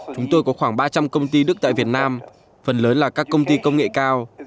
chúng tôi có khoảng ba trăm linh công ty đức tại việt nam phần lớn là các công ty công nghệ cao